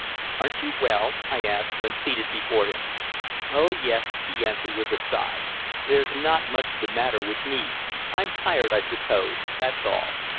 "Aren't you well?" I asked, when seated before him. "Oh, yes," he answered, with a sigh. "There's not much the matter with me. I'm tired, I suppose, that's all.